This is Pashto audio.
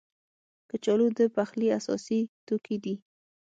کچالو د پخلي اساسي توکي دي